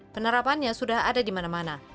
penerapannya sudah ada di mana mana